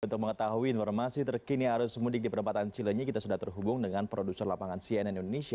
untuk mengetahui informasi terkini arus mudik di perempatan cilenyi kita sudah terhubung dengan produser lapangan cnn indonesia